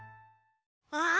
ああ！